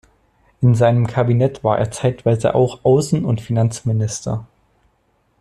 In seinem Kabinett war er zeitweise auch Außen- und Finanzminister.